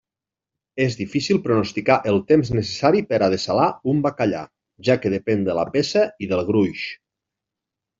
És difícil pronosticar el temps necessari per a dessalar un bacallà, ja que depèn de la peça i del gruix.